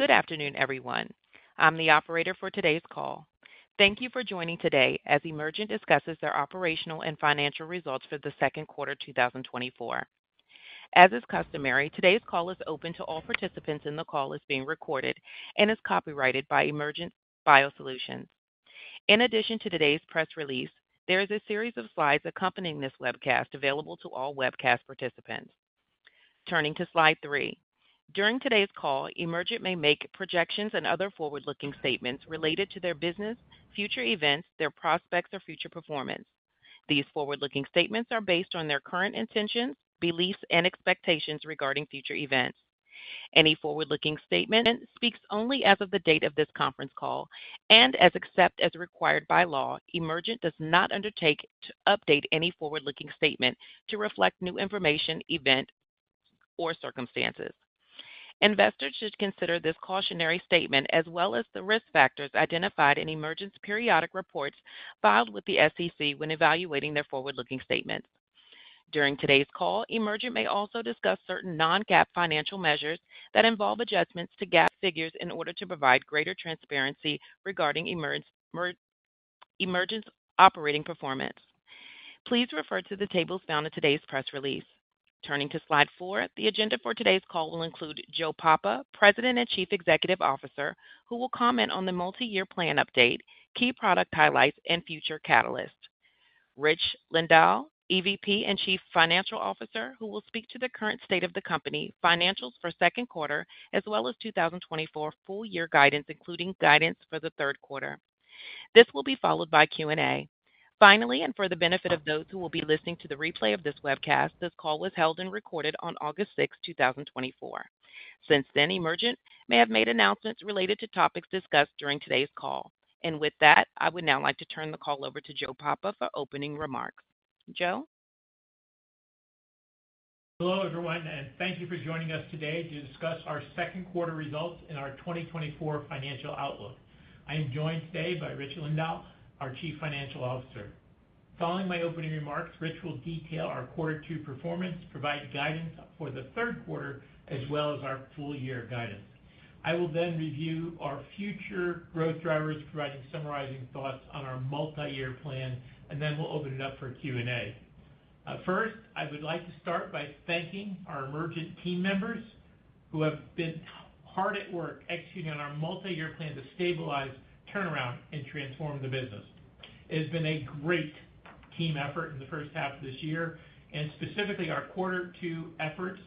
Good afternoon, everyone. I'm the operator for today's call. Thank you for joining today as Emergent discusses their operational and financial results for the second quarter 2024. As is customary, today's call is open to all participants, and the call is being recorded and is copyrighted by Emergent BioSolutions. In addition to today's press release, there is a series of slides accompanying this webcast available to all webcast participants. Turning to Slide 3, during today's call, Emergent may make projections and other forward-looking statements related to their business, future events, their prospects, or future performance. These forward-looking statements are based on their current intentions, beliefs, and expectations regarding future events. Any forward-looking statement speaks only as of the date of this conference call and except as required by law, Emergent does not undertake to update any forward-looking statement to reflect new information, event, or circumstances. Investors should consider this cautionary statement, as well as the risk factors identified in Emergent's periodic reports filed with the SEC when evaluating their forward-looking statements. During today's call, Emergent may also discuss certain non-GAAP financial measures that involve adjustments to GAAP figures in order to provide greater transparency regarding Emergent, Emergent's operating performance. Please refer to the tables found in today's press release. Turning to Slide 4, the agenda for today's call will include Joe Papa, President and Chief Executive Officer, who will comment on the multi-year plan update, key product highlights, and future catalysts. Rich Lindahl, EVP and Chief Financial Officer, who will speak to the current state of the company, financials for second quarter, as well as 2024 full year guidance, including guidance for the third quarter. This will be followed by Q&A. Finally, and for the benefit of those who will be listening to the replay of this webcast, this call was held and recorded on August 6th, 2024. Since then, Emergent may have made announcements related to topics discussed during today's call. And with that, I would now like to turn the call over to Joe Papa for opening remarks. Joe? Hello, everyone, and thank you for joining us today to discuss our second quarter results and our 2024 financial outlook. I am joined today by Rich Lindahl, our Chief Financial Officer. Following my opening remarks, Rich will detail our quarter two performance, provide guidance for the third quarter, as well as our full year guidance. I will then review our future growth drivers, providing summarizing thoughts on our multi-year plan, and then we'll open it up for Q&A. First, I would like to start by thanking our Emergent team members who have been hard at work executing on our multi-year plan to stabilize, turnaround, and transform the business. It has been a great team effort in the first half of this year, and specifically, our quarter two efforts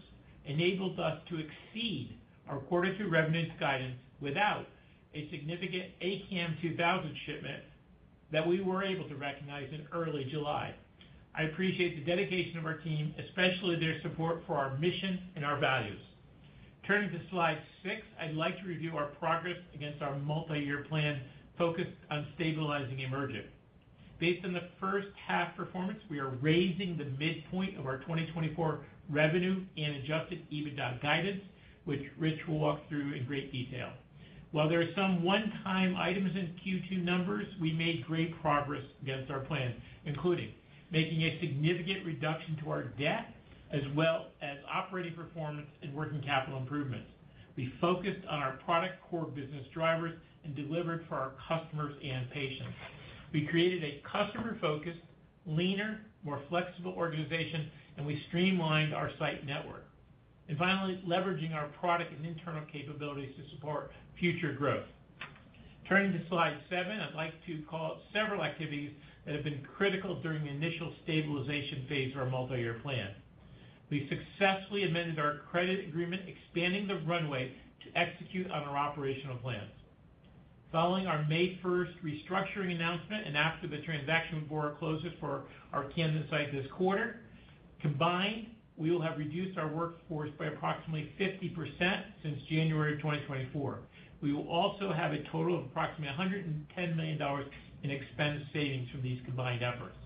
enabled us to exceed our quarter two revenues guidance without a significant ACAM2000 shipment that we were able to recognize in early July. I appreciate the dedication of our team, especially their support for our mission and our values. Turning to Slide 6, I'd like to review our progress against our multi-year plan focused on stabilizing Emergent. Based on the first half performance, we are raising the midpoint of our 2024 revenue and Adjusted EBITDA guidance, which Rich will walk through in great detail. While there are some one-time items in Q2 numbers, we made great progress against our plan, including making a significant reduction to our debt, as well as operating performance and working capital improvements. We focused on our product core business drivers and delivered for our customers and patients. We created a customer-focused, leaner, more flexible organization, and we streamlined our site network. And finally, leveraging our product and internal capabilities to support future growth. Turning to Slide 7, I'd like to call out several activities that have been critical during the initial stabilization phase of our multi-year plan. We successfully amended our credit agreement, expanding the runway to execute on our operational plans. Following our May 1 restructuring announcement, and after the transaction with Bora closes for our Camden site this quarter, combined, we will have reduced our workforce by approximately 50% since January of 2024. We will also have a total of approximately $110 million in expense savings from these combined efforts.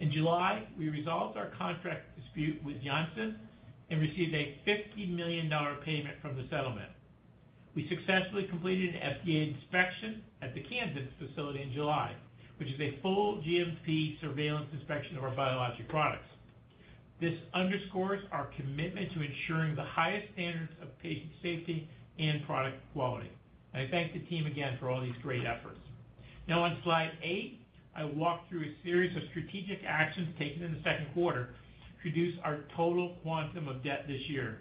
In July, we resolved our contract dispute with Janssen and received a $50 million payment from the settlement. We successfully completed an FDA inspection at the Camden facility in July, which is a full GMP surveillance inspection of our biologic products. This underscores our commitment to ensuring the highest standards of patient safety and product quality. I thank the team again for all these great efforts. Now, on Slide 8, I walk through a series of strategic actions taken in the second quarter to reduce our total quantum of debt this year.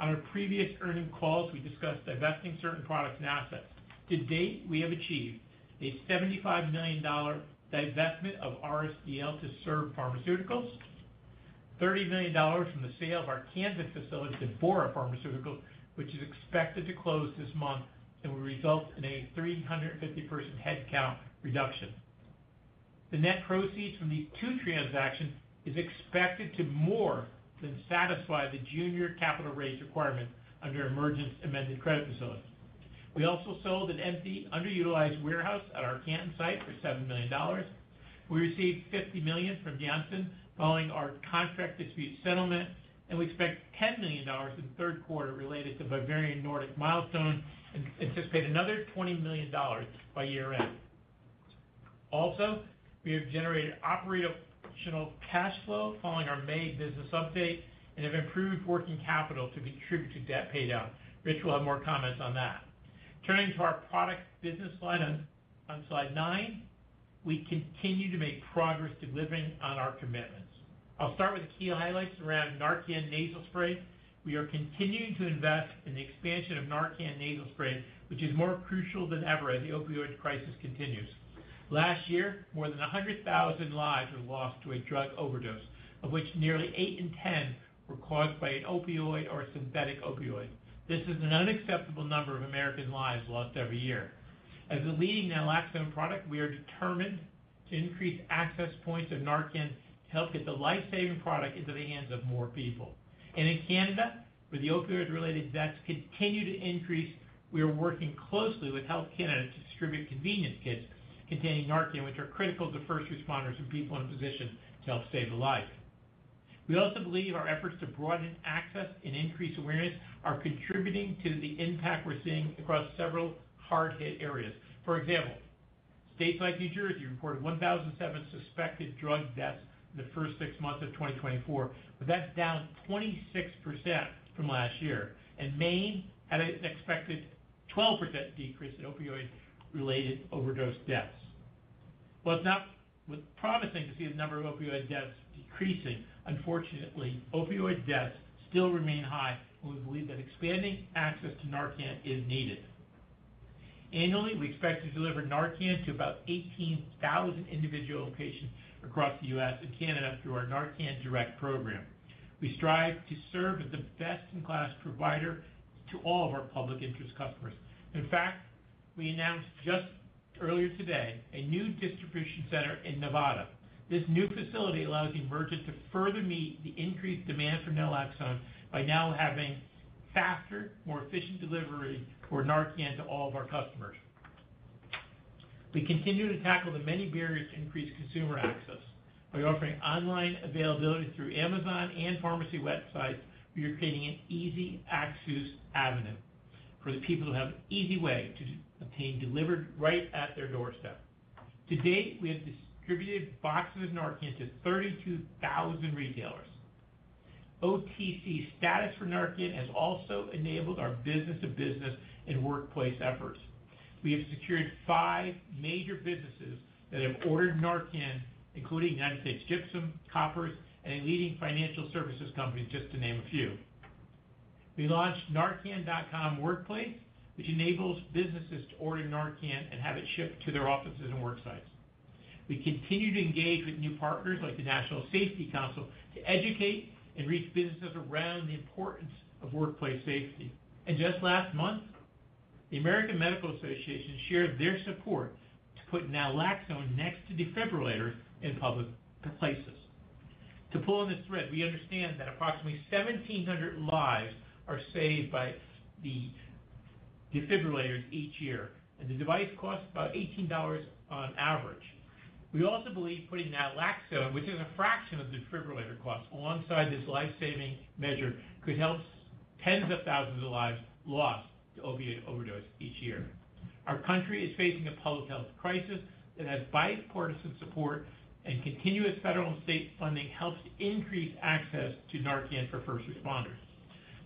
On our previous earnings calls, we discussed divesting certain products and assets. To date, we have achieved a $75 million divestment of RSDL to SERB Pharmaceuticals, $30 million from the sale of our Baltimore-Camden facility to Bora Pharmaceuticals, which is expected to close this month and will result in a 350% headcount reduction. The net proceeds from these two transactions is expected to more than satisfy the junior capital raise requirement under Emergent's amended credit facilities. We also sold an empty, underutilized warehouse at our Canton site for $7 million. We received $50 million from Janssen following our contract dispute settlement, and we expect $10 million in the third quarter related to Bavarian Nordic milestone and anticipate another $20 million by year-end.... Also, we have generated operational cash flow following our May business update and have improved working capital to contribute to debt paydown. Rich will have more comments on that. Turning to our product business slide on slide nine, we continue to make progress delivering on our commitments. I'll start with the key highlights around Narcan nasal spray. We are continuing to invest in the expansion of Narcan nasal spray, which is more crucial than ever as the opioid crisis continues. Last year, more than 100,000 lives were lost to a drug overdose, of which nearly 8 in 10 were caused by an opioid or a synthetic opioid. This is an unacceptable number of American lives lost every year. As a leading naloxone product, we are determined to increase access points of Narcan to help get the life-saving product into the hands of more people. And in Canada, where the opioid-related deaths continue to increase, we are working closely with Health Canada to distribute convenience kits containing Narcan, which are critical to first responders and people in a position to help save a life. We also believe our efforts to broaden access and increase awareness are contributing to the impact we're seeing across several hard-hit areas. For example, states like New Jersey reported 1,007 suspected drug deaths in the first six months of 2024, but that's down 26% from last year, and Maine had an expected 12% decrease in opioid-related overdose deaths. While it's promising to see the number of opioid deaths decreasing, unfortunately, opioid deaths still remain high, and we believe that expanding access to Narcan is needed. Annually, we expect to deliver Narcan to about 18,000 individual patients across the U.S. and Canada through our Narcan Direct program. We strive to serve as the best-in-class provider to all of our public interest customers. In fact, we announced just earlier today a new distribution center in Nevada. This new facility allows Emergent to further meet the increased demand for naloxone by now having faster, more efficient delivery for Narcan to all of our customers. We continue to tackle the many barriers to increase consumer access. By offering online availability through Amazon and pharmacy websites, we are creating an easy access avenue for the people who have an easy way to obtain delivered right at their doorstep. To date, we have distributed boxes of Narcan to 32,000 retailers. OTC status for Narcan has also enabled our business-to-business and workplace efforts. We have secured five major businesses that have ordered Narcan, including United States Gypsum, Koppers, and a leading financial services company, just to name a few. We launched Narcan.com Workplace, which enables businesses to order Narcan and have it shipped to their offices and work sites. We continue to engage with new partners, like the National Safety Council, to educate and reach businesses around the importance of workplace safety. Just last month, the American Medical Association shared their support to put naloxone next to defibrillators in public places. To pull on this thread, we understand that approximately 1,700 lives are saved by the defibrillators each year, and the device costs about $18 on average. We also believe putting naloxone, which is a fraction of the defibrillator cost, alongside this life-saving measure, could help tens of thousands of lives lost to opioid overdose each year. Our country is facing a public health crisis that has bipartisan support, and continuous federal and state funding helps increase access to Narcan for first responders.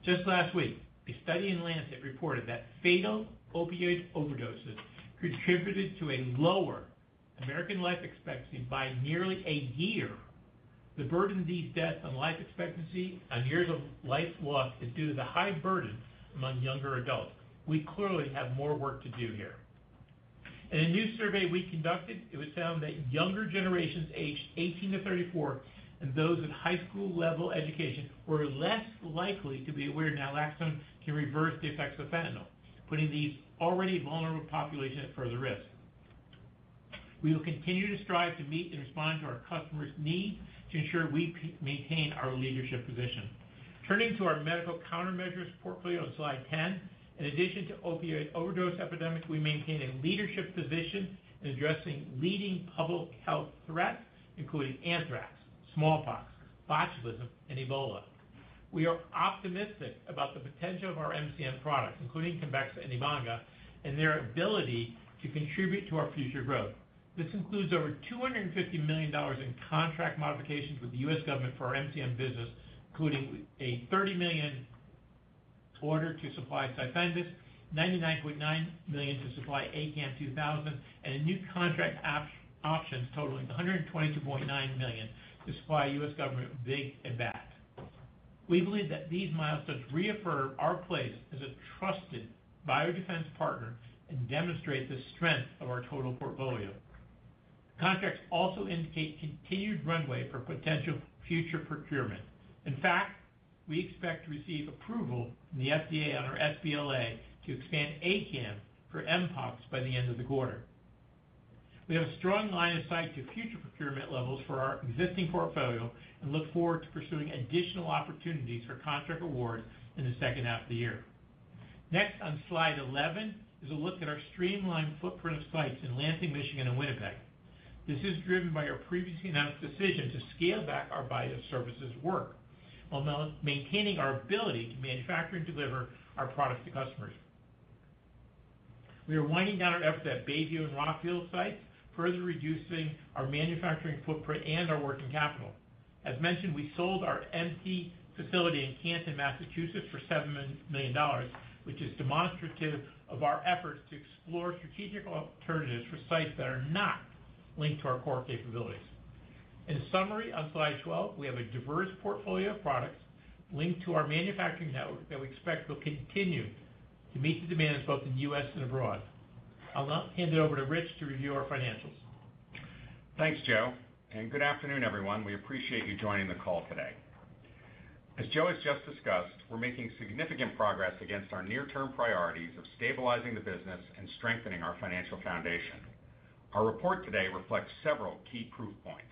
Just last week, a study in Lancet reported that fatal opioid overdoses contributed to a lower American life expectancy by nearly a year. The burden of these deaths on life expectancy and years of life lost is due to the high burden among younger adults. We clearly have more work to do here. In a new survey we conducted, it was found that younger generations aged 18 to 34 and those with high school-level education were less likely to be aware naloxone can reverse the effects of fentanyl, putting these already vulnerable populations at further risk. We will continue to strive to meet and respond to our customers' needs to ensure we maintain our leadership position. Turning to our medical countermeasures portfolio on slide 10. In addition to opioid overdose epidemics, we maintain a leadership position in addressing leading public health threats, including anthrax, smallpox, botulism, and Ebola. We are optimistic about the potential of our MCM products, including TEMBEXA and Ebanga, and their ability to contribute to our future growth. This includes over $250 million in contract modifications with the U.S. government for our MCM business, including a $30 million order to supply CYFENDUS, $99.9 million to supply ACAM2000, and a new contract options totaling $122.9 million to supply U.S. government VIGIV and BAT. We believe that these milestones reaffirm our place as a trusted biodefense partner and demonstrate the strength of our total portfolio. Contracts also indicate continued runway for potential future procurement. In fact, we expect to receive approval from the FDA on our sBLA to expand ACAM for mpox by the end of the quarter. We have a strong line of sight to future procurement levels for our existing portfolio and look forward to pursuing additional opportunities for contract awards in the second half of the year. Next, on slide 11, is a look at our streamlined footprint of sites in Lansing, Michigan, and Winnipeg. This is driven by our previously announced decision to scale back our biopharma services work while maintaining our ability to manufacture and deliver our products to customers. We are winding down our efforts at Bayview and Rockville sites, further reducing our manufacturing footprint and our working capital. As mentioned, we sold our empty facility in Canton, Massachusetts, for $7 million, which is demonstrative of our efforts to explore strategic alternatives for sites that are not linked to our core capabilities. In summary, on slide 12, we have a diverse portfolio of products linked to our manufacturing network that we expect will continue to meet the demands both in the U.S. and abroad. I'll now hand it over to Rich to review our financials. Thanks, Joe, and good afternoon, everyone. We appreciate you joining the call today. As Joe has just discussed, we're making significant progress against our near-term priorities of stabilizing the business and strengthening our financial foundation. Our report today reflects several key proof points.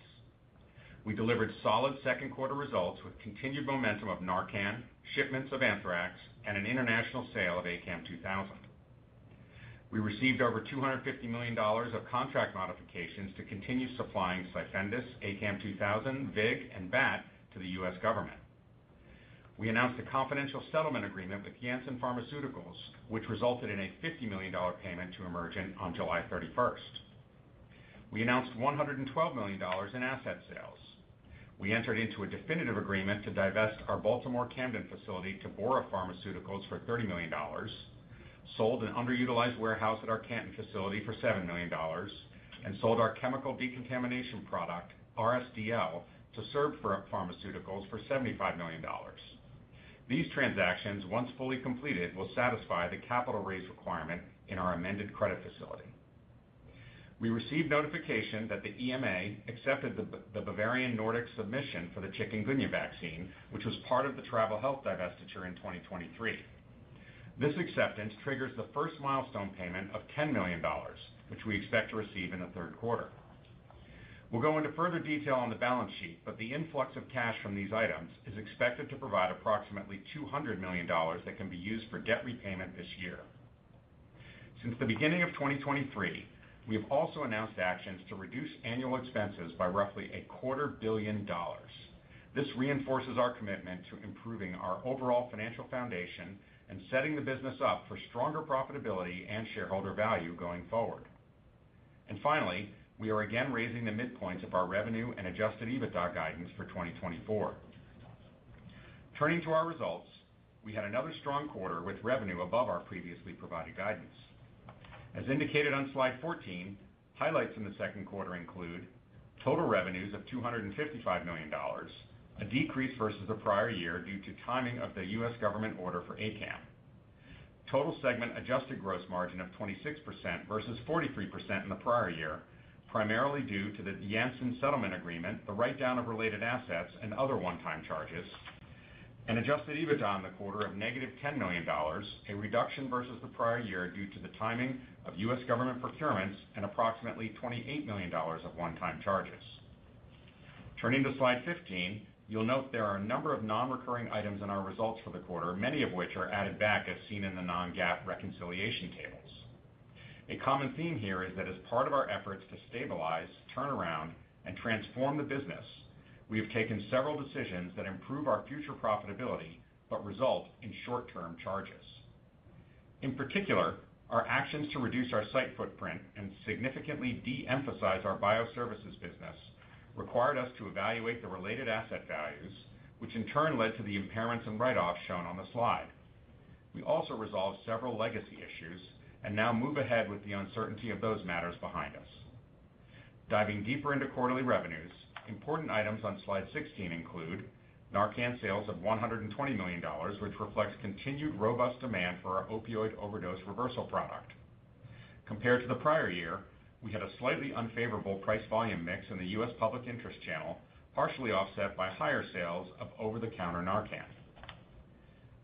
We delivered solid second quarter results with continued momentum of Narcan, shipments of Anthrax, and an international sale of ACAM2000. We received over $250 million of contract modifications to continue supplying CYFENDUS, ACAM2000, VIG, and BAT to the U.S. government. We announced a confidential settlement agreement with Janssen Pharmaceuticals, which resulted in a $50 million payment to Emergent on July thirty-first. We announced $112 million in asset sales. We entered into a definitive agreement to divest our Baltimore-Camden facility to Bora Pharmaceuticals for $30 million, sold an underutilized warehouse at our Canton facility for $7 million, and sold our chemical decontamination product, RSDL, to SERB Pharmaceuticals for $75 million. These transactions, once fully completed, will satisfy the capital raise requirement in our amended credit facility. We received notification that the EMA accepted the Bavarian Nordic submission for the Chikungunya vaccine, which was part of the travel health divestiture in 2023. This acceptance triggers the first milestone payment of $10 million, which we expect to receive in the third quarter. We'll go into further detail on the balance sheet, but the influx of cash from these items is expected to provide approximately $200 million that can be used for debt repayment this year. Since the beginning of 2023, we have also announced actions to reduce annual expenses by roughly $250 million. This reinforces our commitment to improving our overall financial foundation and setting the business up for stronger profitability and shareholder value going forward. And finally, we are again raising the midpoints of our revenue and Adjusted EBITDA guidance for 2024. Turning to our results, we had another strong quarter with revenue above our previously provided guidance. As indicated on Slide 14, highlights in the second quarter include total revenues of $255 million, a decrease versus the prior year due to timing of the U.S. government order for ACAM. Total segment adjusted gross margin of 26% versus 43% in the prior year, primarily due to the Janssen settlement agreement, the write-down of related assets, and other one-time charges. An adjusted EBITDA in the quarter of -$10 million, a reduction versus the prior year due to the timing of U.S. government procurements and approximately $28 million of one-time charges. Turning to Slide 15, you'll note there are a number of non-recurring items in our results for the quarter, many of which are added back, as seen in the non-GAAP reconciliation tables. A common theme here is that as part of our efforts to stabilize, turn around, and transform the business, we have taken several decisions that improve our future profitability, but result in short-term charges. In particular, our actions to reduce our site footprint and significantly de-emphasize our bioservices business required us to evaluate the related asset values, which in turn led to the impairments and write-offs shown on the slide. We also resolved several legacy issues and now move ahead with the uncertainty of those matters behind us. Diving deeper into quarterly revenues, important items on Slide 16 include Narcan sales of $120 million, which reflects continued robust demand for our opioid overdose reversal product. Compared to the prior year, we had a slightly unfavorable price-volume mix in the U.S. public interest channel, partially offset by higher sales of over-the-counter Narcan.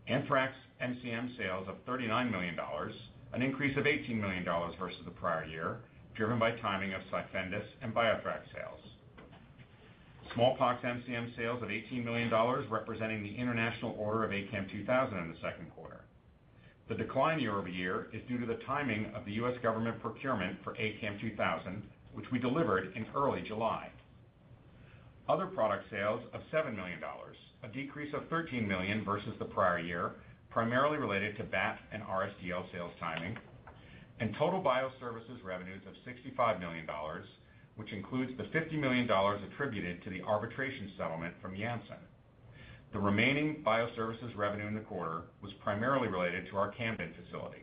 Anthrax MCM sales of $39 million, an increase of $18 million versus the prior year, driven by timing of CYFENDUS and BioThrax sales. Smallpox MCM sales of $18 million, representing the international order of ACAM2000 in the second quarter. The decline year-over-year is due to the timing of the US government procurement for ACAM2000, which we delivered in early July. Other product sales of $7 million, a decrease of $13 million versus the prior year, primarily related to BAT and RSDL sales timing. Total bioservices revenues of $65 million, which includes the $50 million attributed to the arbitration settlement from Janssen. The remaining bioservices revenue in the quarter was primarily related to our Camden facility.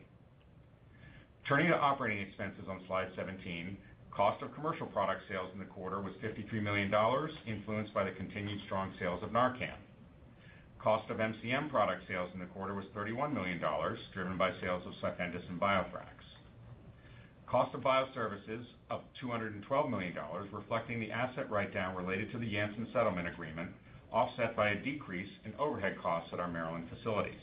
Turning to operating expenses on Slide 17, cost of commercial product sales in the quarter was $53 million, influenced by the continued strong sales of Narcan. Cost of MCM product sales in the quarter was $31 million, driven by sales of CYFENDUS and BioThrax. Cost of bioservices of $212 million, reflecting the asset write-down related to the Janssen settlement agreement, offset by a decrease in overhead costs at our Maryland facilities.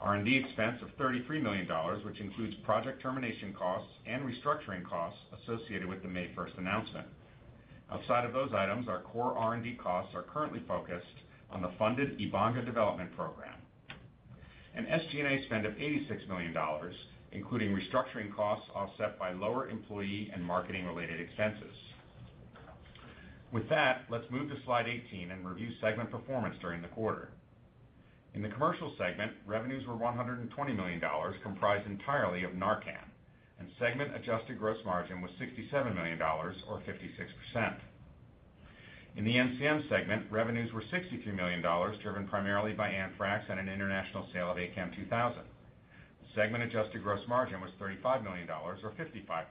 R&D expense of $33 million, which includes project termination costs and restructuring costs associated with the May first announcement. Outside of those items, our core R&D costs are currently focused on the funded Ebanga development program. An SG&A spend of $86 million, including restructuring costs offset by lower employee and marketing-related expenses. With that, let's move to slide 18 and review segment performance during the quarter. In the commercial segment, revenues were $120 million, comprised entirely of Narcan, and segment adjusted gross margin was $67 million or 56%. In the MCM segment, revenues were $63 million, driven primarily by anthrax and an international sale of ACAM2000. Segment adjusted gross margin was $35 million, or 55%.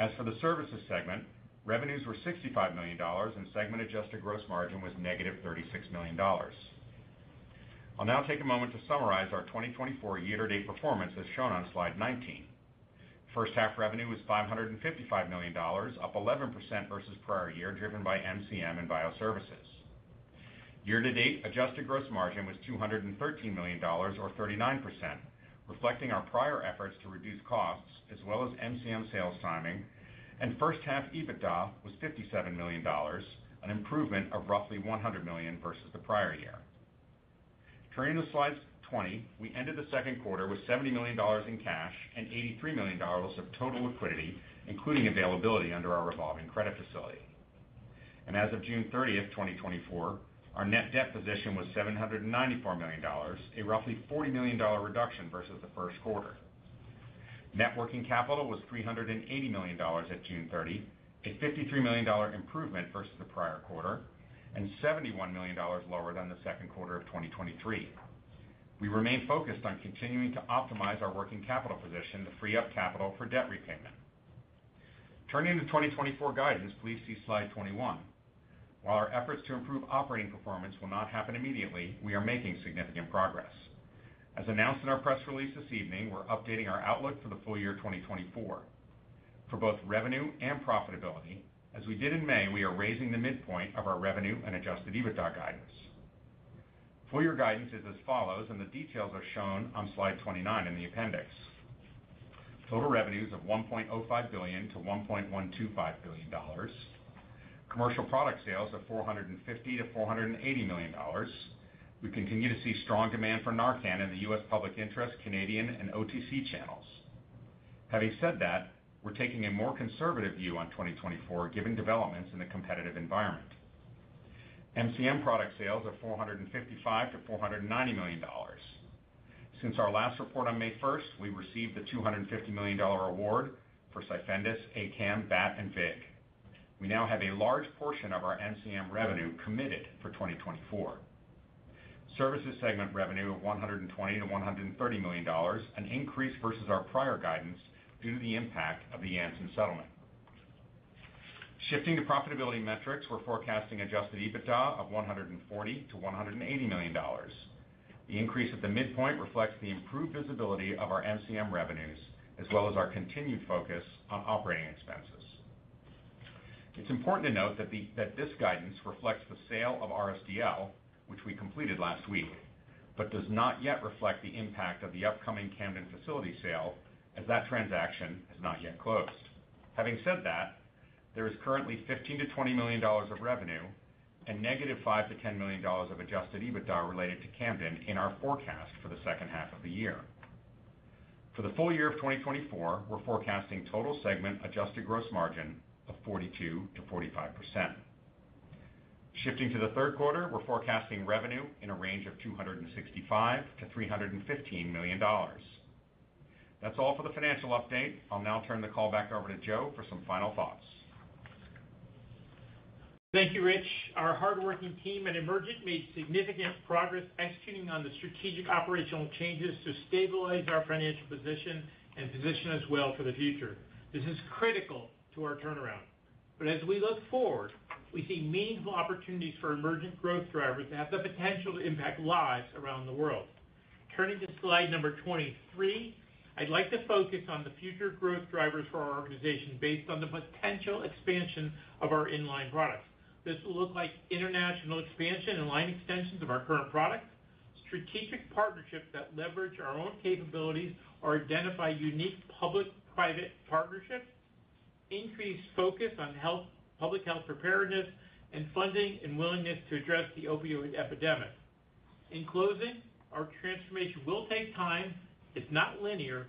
As for the services segment, revenues were $65 million, and segment adjusted gross margin was negative $36 million. I'll now take a moment to summarize our 2024 year-to-date performance, as shown on slide 19. First half revenue was $555 million, up 11% versus prior year, driven by MCM and bioservices. Year-to-date adjusted gross margin was $213 million or 39%, reflecting our prior efforts to reduce costs as well as MCM sales timing, and first half EBITDA was $57 million, an improvement of roughly $100 million versus the prior year. Turning to slide 20, we ended the second quarter with $70 million in cash and $83 million of total liquidity, including availability under our revolving credit facility. As of June 30, 2024, our net debt position was $794 million, a roughly $40 million reduction versus the first quarter. Net working capital was $380 million at June 30, a $53 million improvement versus the prior quarter and $71 million lower than the second quarter of 2023. We remain focused on continuing to optimize our working capital position to free up capital for debt repayment. Turning to 2024 guidance, please see slide 21. While our efforts to improve operating performance will not happen immediately, we are making significant progress. As announced in our press release this evening, we're updating our outlook for the full year 2024. For both revenue and profitability, as we did in May, we are raising the midpoint of our revenue and Adjusted EBITDA guidance. Full year guidance is as follows, and the details are shown on slide 29 in the appendix. Total revenues of $1.05 billion-$1.125 billion. Commercial product sales of $450 million-$480 million. We continue to see strong demand for NARCAN in the U.S. public interest, Canadian, and OTC channels. Having said that, we're taking a more conservative view on 2024, given developments in the competitive environment. MCM product sales are $455 million-$490 million. Since our last report on May 1, we received the $250 million award for CYFENDUS, ACAM, BAT, and VIG. We now have a large portion of our MCM revenue committed for 2024. Services segment revenue of $120 million-$130 million, an increase versus our prior guidance due to the impact of the Janssen settlement. Shifting to profitability metrics, we're forecasting adjusted EBITDA of $140 million-$180 million. The increase at the midpoint reflects the improved visibility of our MCM revenues, as well as our continued focus on operating expenses. It's important to note that that this guidance reflects the sale of RSDL, which we completed last week, but does not yet reflect the impact of the upcoming Camden facility sale, as that transaction has not yet closed. Having said that, there is currently $15 million-$20 million of revenue and -$5 million-$10 million of adjusted EBITDA related to Camden in our forecast for the second half of the year. For the full year of 2024, we're forecasting total segment adjusted gross margin of 42%-45%. Shifting to the third quarter, we're forecasting revenue in a range of $265 million-$315 million. That's all for the financial update. I'll now turn the call back over to Joe for some final thoughts. Thank you, Rich. Our hardworking team at Emergent made significant progress executing on the strategic operational changes to stabilize our financial position and position us well for the future. This is critical to our turnaround, but as we look forward, we see meaningful opportunities for Emergent growth drivers that have the potential to impact lives around the world. Turning to slide number 23, I'd like to focus on the future growth drivers for our organization based on the potential expansion of our in-line products. This will look like international expansion and line extensions of our current products, strategic partnerships that leverage our own capabilities or identify unique public-private partnerships, increased focus on health, public health preparedness, and funding and willingness to address the opioid epidemic. In closing, our transformation will take time. It's not linear.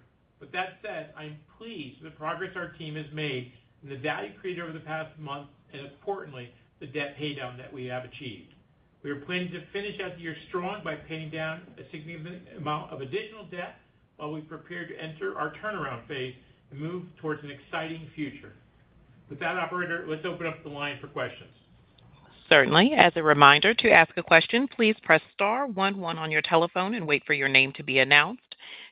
That said, I'm pleased with the progress our team has made and the value created over the past month, and importantly, the debt paydown that we have achieved. We are planning to finish out the year strong by paying down a significant amount of additional debt while we prepare to enter our turnaround phase and move towards an exciting future. With that, operator, let's open up the line for questions. Certainly. As a reminder, to ask a question, please press star one one on your telephone and wait for your name to be announced.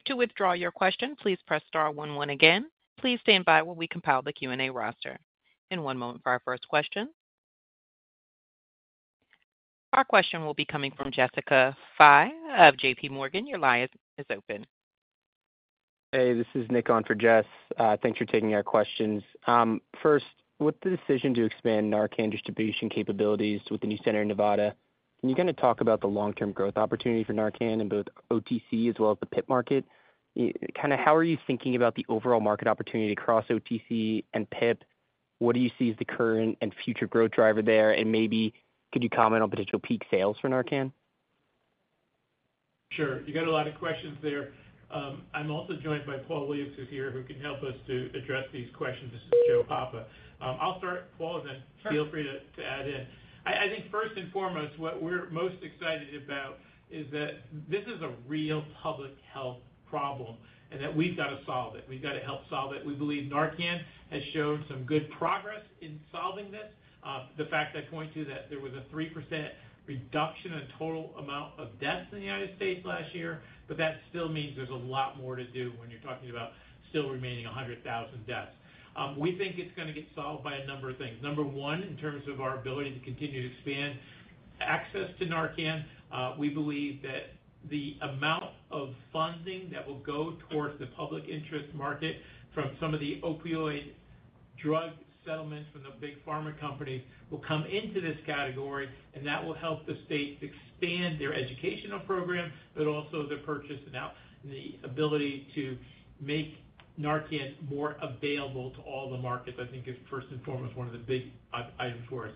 To withdraw your question, please press star one one again. Please stand by while we compile the Q&A roster. In one moment for our first question. Our question will be coming from Jessica Fye of J.P. Morgan. Your line is, is open. Hey, this is Nick on for Jess. Thanks for taking our questions. First, with the decision to expand Narcan distribution capabilities with the new center in Nevada, can you kind of talk about the long-term growth opportunity for Narcan in both OTC as well as the PIP market? Kind of how are you thinking about the overall market opportunity across OTC and PIP? What do you see as the current and future growth driver there? And maybe could you comment on potential peak sales for Narcan?... Sure. You got a lot of questions there. I'm also joined by Paul Williams, who's here, who can help us to address these questions. This is Joe Papa. I'll start, Paul, and then- Sure. Feel free to add in. I think first and foremost, what we're most excited about is that this is a real public health problem, and that we've got to solve it. We've got to help solve it. We believe Narcan has shown some good progress in solving this. The fact I point to that there was a 3% reduction in total amount of deaths in the United States last year, but that still means there's a lot more to do when you're talking about still remaining 100,000 deaths. We think it's gonna get solved by a number of things. Number one, in terms of our ability to continue to expand access to Narcan, we believe that the amount of funding that will go towards the public interest market from some of the opioid drug settlements from the big pharma companies will come into this category, and that will help the states expand their educational program, but also the purchase and the ability to make Narcan more available to all the markets, I think, is first and foremost, one of the big items for us.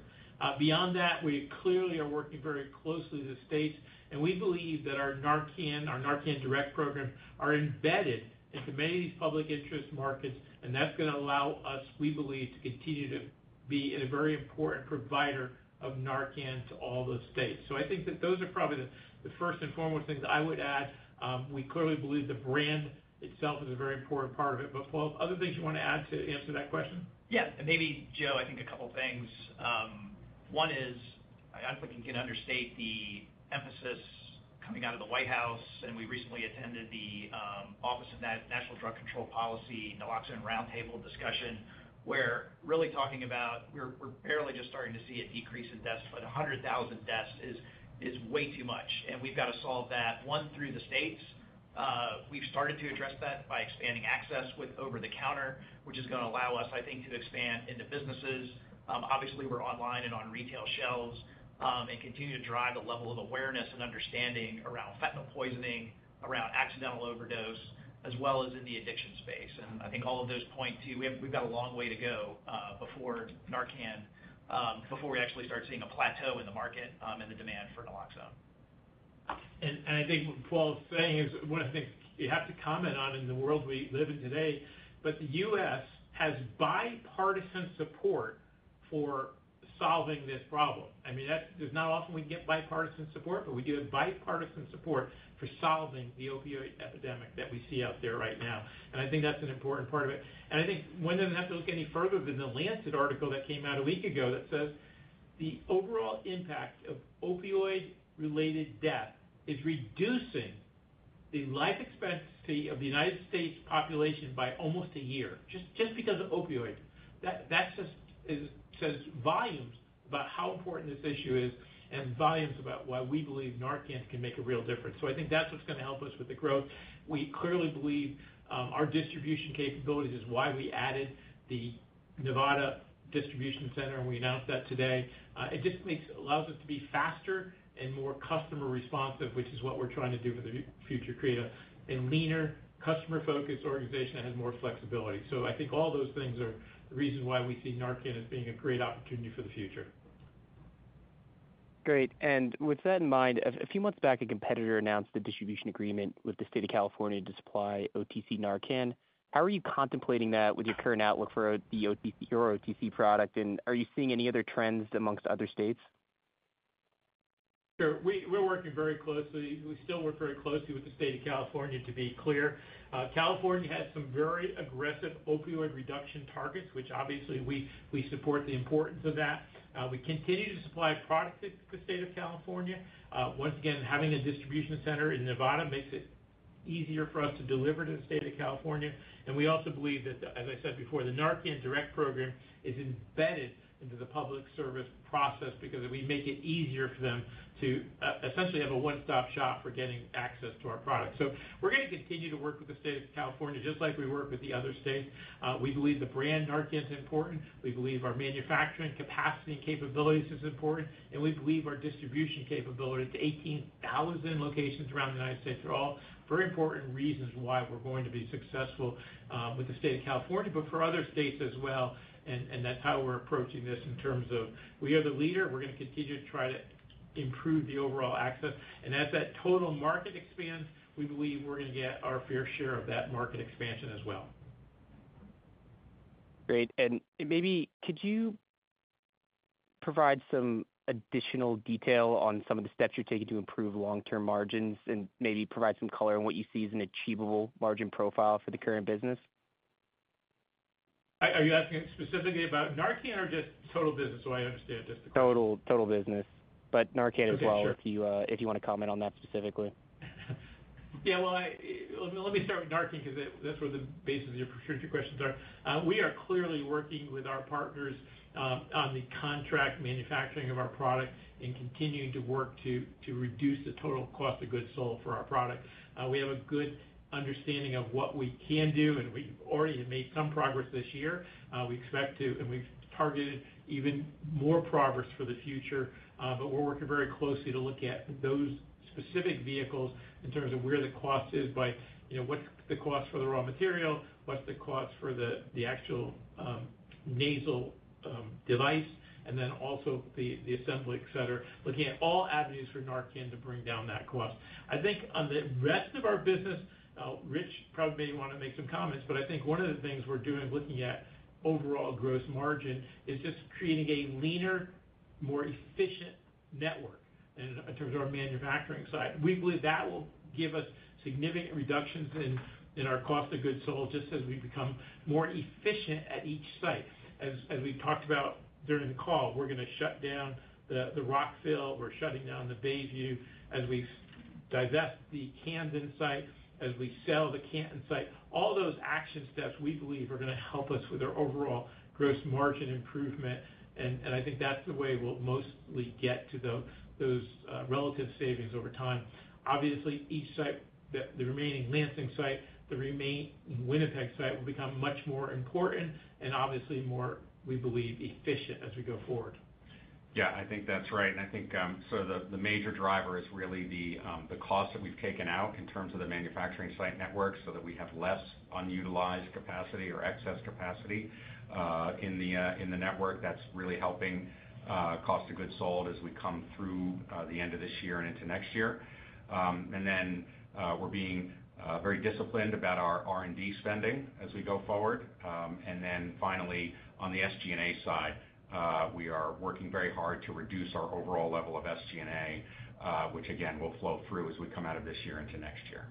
Beyond that, we clearly are working very closely with the states, and we believe that our Narcan, our Narcan direct program, are embedded into many of these public interest markets, and that's gonna allow us, we believe, to continue to be a very important provider of Narcan to all those states. So I think that those are probably the first and foremost things I would add. We clearly believe the brand itself is a very important part of it. But Paul, other things you want to add to answer that question? Yeah, and maybe, Joe, I think a couple things. One is, I don't think you can understate the emphasis coming out of the White House, and we recently attended the Office of National Drug Control Policy, Naloxone Roundtable Discussion, where really talking about we're barely just starting to see a decrease in deaths, but 100,000 deaths is way too much, and we've got to solve that through the States. We've started to address that by expanding access with over-the-counter, which is gonna allow us, I think, to expand into businesses. Obviously, we're online and on retail shelves, and continue to drive a level of awareness and understanding around fentanyl poisoning, around accidental overdose, as well as in the addiction space. And I think all of those point to we've got a long way to go before Narcan, before we actually start seeing a plateau in the market, and the demand for naloxone. I think what Paul is saying is one of the things you have to comment on in the world we live in today, but the U.S. has bipartisan support for solving this problem. I mean, that's. It's not often we get bipartisan support, but we get a bipartisan support for solving the opioid epidemic that we see out there right now. And I think that's an important part of it. And I think one doesn't have to look any further than the Lancet article that came out a week ago that says, "The overall impact of opioid-related death is reducing the life expectancy of the United States population by almost a year," just because of opioids. That just says volumes about how important this issue is and volumes about why we believe Narcan can make a real difference. So I think that's what's gonna help us with the growth. We clearly believe our distribution capabilities is why we added the Nevada distribution center, and we announced that today. It just makes... allows us to be faster and more customer responsive, which is what we're trying to do for the future, create a leaner, customer-focused organization that has more flexibility. So I think all those things are the reasons why we see Narcan as being a great opportunity for the future. Great. And with that in mind, a few months back, a competitor announced a distribution agreement with the state of California to supply OTC Narcan. How are you contemplating that with your current outlook for the OTC, your OTC product, and are you seeing any other trends among other states? Sure. We're working very closely. We still work very closely with the state of California, to be clear. California has some very aggressive opioid reduction targets, which obviously we support the importance of that. We continue to supply product to the state of California. Once again, having a distribution center in Nevada makes it easier for us to deliver to the state of California. And we also believe that, as I said before, the Narcan direct program is embedded into the public service process because we make it easier for them to essentially have a one-stop shop for getting access to our product. So we're gonna continue to work with the state of California, just like we work with the other states. We believe the brand Narcan is important. We believe our manufacturing capacity and capabilities is important, and we believe our distribution capability to 18,000 locations around the United States are all very important reasons why we're going to be successful with the state of California, but for other states as well, and, and that's how we're approaching this in terms of we are the leader. We're gonna continue to try to improve the overall access. And as that total market expands, we believe we're gonna get our fair share of that market expansion as well. Great. And maybe could you provide some additional detail on some of the steps you're taking to improve long-term margins and maybe provide some color on what you see as an achievable margin profile for the current business? Are you asking specifically about Narcan or just total business, so I understand this? Total, total business, but Narcan as well- Okay, sure. - if you, if you wanna comment on that specifically. Yeah, well, I, let me, let me start with Narcan because that, that's where the basis of your, your questions are. We are clearly working with our partners on the contract manufacturing of our product and continuing to work to, to reduce the total cost of goods sold for our product. We have a good understanding of what we can do, and we've already made some progress this year. We expect to, and we've targeted even more progress for the future, but we're working very closely to look at those specific vehicles in terms of where the cost is by, you know, what's the cost for the raw material, what's the cost for the, the actual nasal device, and then also the, the assembly, et cetera, looking at all avenues for Narcan to bring down that cost. I think on the rest of our business, Rich probably may want to make some comments, but I think one of the things we're doing, looking at overall gross margin, is just creating a leaner, more efficient network in terms of our manufacturing side. We believe that will give us significant reductions in our cost of goods sold, just as we become more efficient at each site. As we talked about during the call, we're gonna shut down the Rockville, we're shutting down the Bayview as we divest the Camden site, as we sell the Canton site. All those action steps, we believe, are gonna help us with our overall gross margin improvement, and I think that's the way we'll mostly get to those relative savings over time. Obviously, each site, the remaining Lansing site, the remaining Winnipeg site will become much more important and obviously more, we believe, efficient as we go forward. Yeah, I think that's right, and I think so the major driver is really the cost that we've taken out in terms of the manufacturing site network, so that we have less unutilized capacity or excess capacity in the network. That's really helping cost of goods sold as we come through the end of this year and into next year. And then we're being very disciplined about our R&D spending as we go forward. And then finally, on the SG&A side, we are working very hard to reduce our overall level of SG&A, which again will flow through as we come out of this year into next year.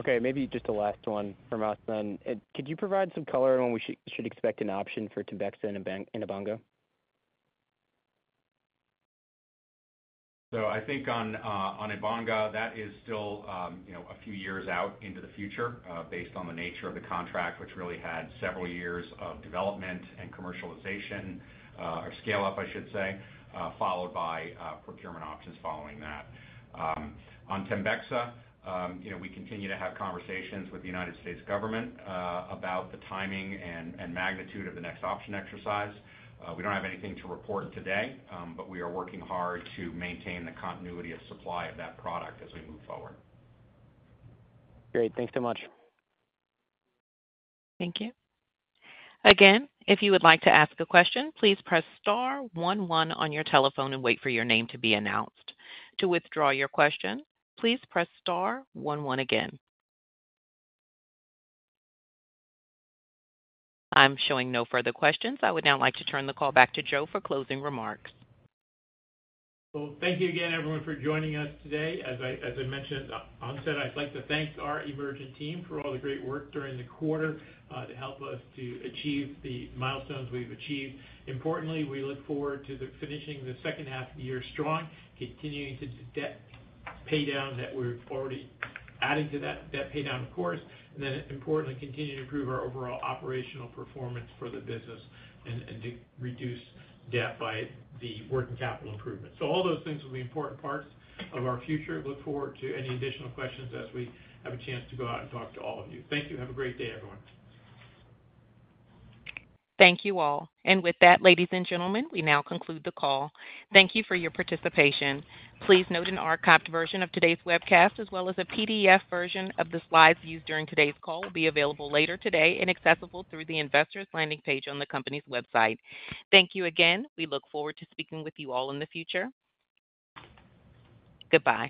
Okay, maybe just a last one from us then. Could you provide some color on when we should expect an option for TEMBEXA and Ebanga? So I think on Ebanga, that is still, you know, a few years out into the future, based on the nature of the contract, which really had several years of development and commercialization, or scale-up, I should say, followed by procurement options following that. On TEMBEXA, you know, we continue to have conversations with the United States government, about the timing and magnitude of the next option exercise. We don't have anything to report today, but we are working hard to maintain the continuity of supply of that product as we move forward. Great. Thanks so much. Thank you. Again, if you would like to ask a question, please press star one one on your telephone and wait for your name to be announced. To withdraw your question, please press star one one again. I'm showing no further questions. I would now like to turn the call back to Joe for closing remarks. Well, thank you again, everyone, for joining us today. As I, as I mentioned on onset, I'd like to thank our Emergent team for all the great work during the quarter to help us to achieve the milestones we've achieved. Importantly, we look forward to the finishing the second half of the year strong, continuing to do debt pay down that we're already adding to that debt pay down, of course, and then importantly, continue to improve our overall operational performance for the business and to reduce debt by the working capital improvement. So all those things will be important parts of our future. Look forward to any additional questions as we have a chance to go out and talk to all of you. Thank you. Have a great day, everyone. Thank you all. With that, ladies and gentlemen, we now conclude the call. Thank you for your participation. Please note an archived version of today's webcast, as well as a PDF version of the slides used during today's call, will be available later today and accessible through the investor's landing page on the company's website. Thank you again. We look forward to speaking with you all in the future. Goodbye.